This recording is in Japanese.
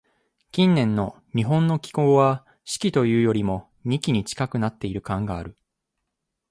近年の日本の気候は、「四季」というよりも、「二季」に近くなっている感がある。